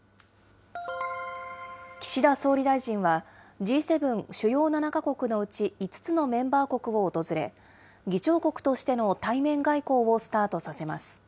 岸田総理大臣は、Ｇ７・主要７か国のうち、５つのメンバー国を訪れ、議長国としての対面外交をスタートさせます。